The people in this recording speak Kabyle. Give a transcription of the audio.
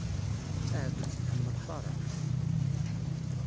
Ahat ur tt-tḥemmleḍ ara.